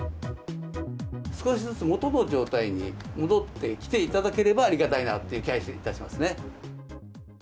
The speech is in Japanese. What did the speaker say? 少しずつ元の状態に戻ってきていただければありがたいなという気がいたしますね。